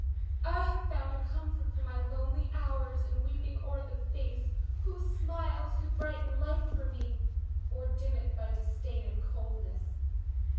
I have found a comfort for my lonely hours in weeping o'er the face whose smiles could brighten life for me, or dim it by disdain and coldness.